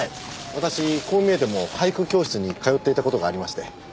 私こう見えても俳句教室に通っていた事がありまして。